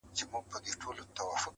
هڅه تل لاره پرانیزي.